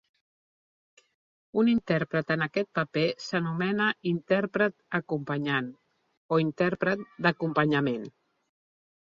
Un intèrpret en aquest paper s'anomena "intèrpret acompanyant" o "intèrpret d'acompanyament".